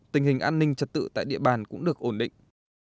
tình hình an ninh trật tự tại địa bàn cũng được ổn định